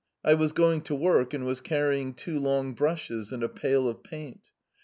I was on my way to my work and was carrying two long brushes and a pot of paint.